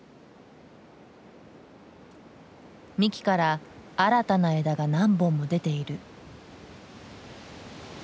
幹から新たな枝が何本も出ている。